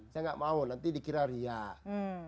saya nggak mau nanti dikira riak